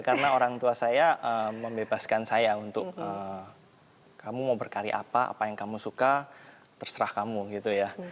karena orang tua saya membebaskan saya untuk kamu mau berkarya apa apa yang kamu suka terserah kamu gitu ya